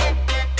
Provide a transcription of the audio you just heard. kamu sudah jatuh